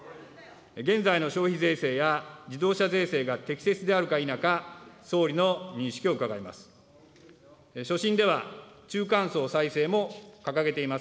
現在の消費税制や自動車税制が適切であるか否か、総理の認識を伺います。